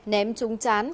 ném trúng chán